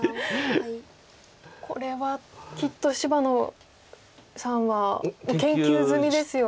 これはきっと芝野さんは研究済みですよね。